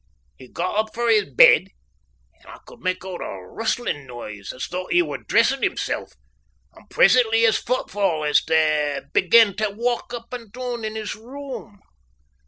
He got up frae his bed, and I could make oot a rustling noise, as though he were dressin' himsel', and presently his footfa' as he began tae walk up and doon in his room.